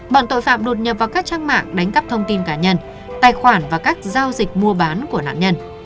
bọn tội phạm đột nhập vào các trang mạng đánh cắp thông tin cá nhân tài khoản và các giao dịch mua bán của nạn nhân